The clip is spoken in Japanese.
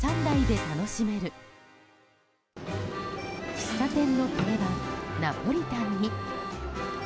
喫茶店の定番ナポリタンに。